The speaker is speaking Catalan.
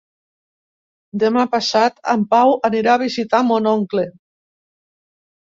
Demà passat en Pau anirà a visitar mon oncle.